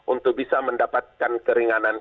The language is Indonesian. untuk bisa mendapatkan keringanan